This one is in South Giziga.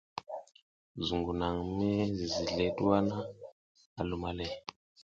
Zuƞgu naƞ mi zizi zleʼe tuwa, a luma le.